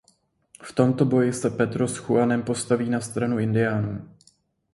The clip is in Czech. V tomto boji se Pedro s Juanem postaví na stranu Indiánů.